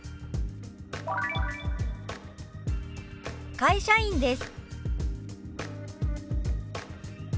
「会社員です」。